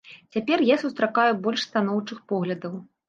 Цяпер я сустракаю больш станоўчых поглядаў.